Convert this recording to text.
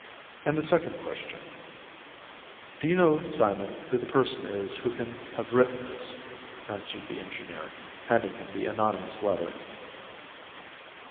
"And the second question?" asked the latter. "Do you know, Simon, who the person is who can have written this?" answered the engineer, handing him the anonymous letter.